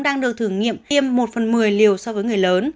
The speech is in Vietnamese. đang được thử nghiệm tiêm một phần một mươi liều so với người lớn